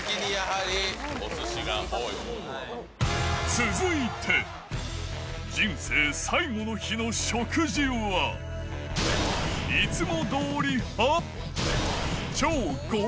続いて、人生最後の日の食事は、いつもどおり派？